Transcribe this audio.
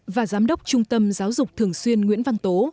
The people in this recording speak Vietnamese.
và trung tâm giáo dục thường xuyên nguyễn văn tố